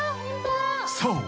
［そう。